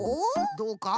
どうか？